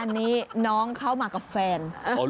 อันนี้น้องเข้ามากับแฟน